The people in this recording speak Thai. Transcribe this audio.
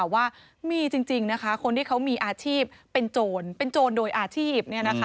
ว่ามีจริงนะคะคนที่เขามีอาชีพเป็นโจรเป็นโจรโดยอาชีพ